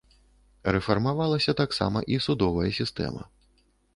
Рэфармавалася таксама і судовая сістэма.